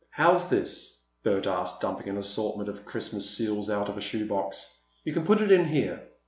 "How's this?" Bert asked, dumping an assortment of Christmas seals out of a shoe box. "You can put it in here."